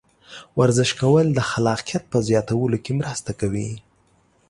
ورزش کول د خلاقیت په زیاتولو کې مرسته کوي.